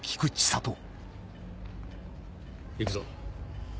行くぞ。